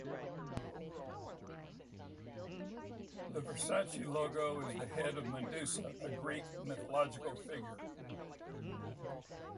The Versace logo is the head of Medusa, a Greek mythological figure.